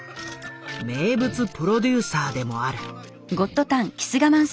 名物プロデューサーでもある。